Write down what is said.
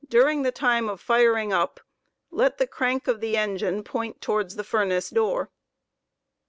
Baring the time of firing up, let the crank of the engine point towards the furnace door.